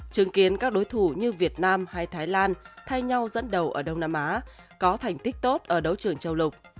chứng kiến các đối thủ như việt nam hay thái lan thay nhau dẫn đầu ở đông nam á có thành tích tốt ở đấu trường châu lục